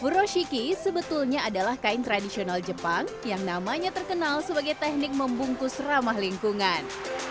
furoshiki sebetulnya adalah kain tradisional jepang yang namanya terkenal sebagai teknik membungkus ramah lingkungan